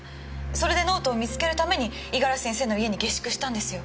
それでノートを見つけるために五十嵐先生の家に下宿したんですよ。